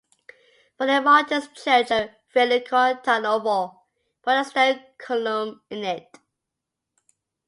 Forty Martyrs Church in Veliko Tarnovo and put a stone column in it.